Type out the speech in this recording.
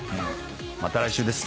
また来週です。